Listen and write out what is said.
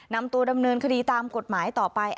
นำตัวดำเนินคดีตามกฎหมายต่อไป